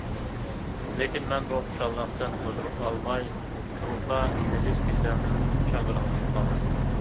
لېكىن مەن بۇ خۇشاللىقتىن ھۇزۇر ئالماي تۇرۇپلا نىجىس كېسەلنىڭ چاڭگىلىغا چۈشۈپ قالدىم.